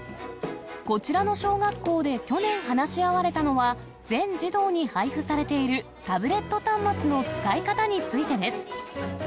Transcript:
こちらの小学校で去年話し合われたのは、全児童に配布されているタブレット端末の使い方についてです。